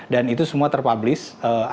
dan itu semua terpublish